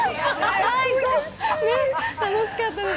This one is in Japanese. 楽しかったです。